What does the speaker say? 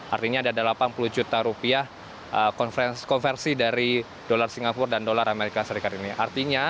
artinya ada delapan puluh juta rupiah konversi dari dolar singapura dan dolar amerika serikat ini